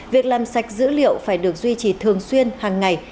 việc làm sạch dữ liệu phải được duy trì thường xuyên hàng ngày